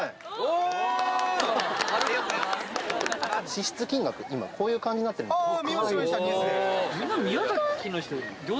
支出金額って今こういう感じになってるんですよ。